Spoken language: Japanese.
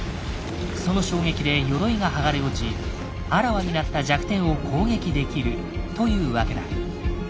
その衝撃で鎧が剥がれ落ちあらわになった弱点を攻撃できるというわけだ。